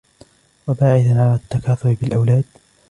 وَبَاعِثًا عَلَى التَّكَاثُرِ بِالْأَوْلَادِ